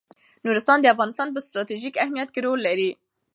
نورستان د افغانستان په ستراتیژیک اهمیت کې رول لري.